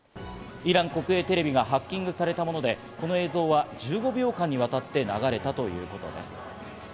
イラン国営テレビがハッキングされたもので、この映像は１５秒間にわたって流れたということです。